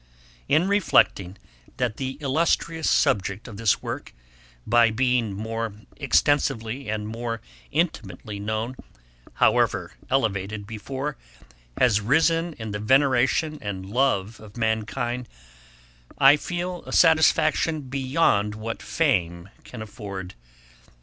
] In reflecting that the illustrious subject of this Work, by being more extensively and intimately known, however elevated before, has risen in the veneration and love of mankind, I feel a satisfaction beyond what fame can afford.